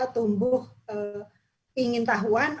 tumbuh ingin tahuan